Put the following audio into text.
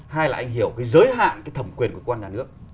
hai là anh hiểu cái giới hạn cái thẩm quyền của cơ quan nhà nước